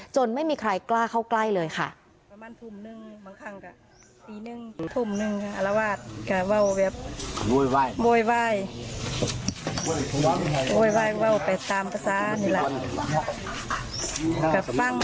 ไม่มีใครกล้าเข้าใกล้เลยค่ะ